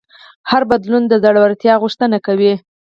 هر بدلون د زړهورتیا غوښتنه کوي.